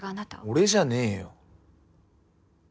俺じゃねぇよ。